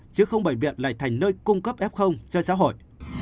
chứ không bệnh viện lại thành nơi cung cấp f cho xã hội